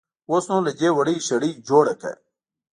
اوس نو له دې وړۍ شړۍ جوړه کړه.